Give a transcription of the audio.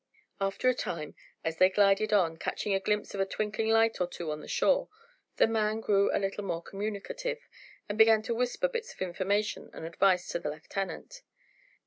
After a time, as they glided on, catching a glimpse of a twinkling light or two on the shore, the man grew a little more communicative, and began to whisper bits of information and advice to the lieutenant.